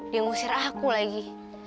dia ngusir aku lagi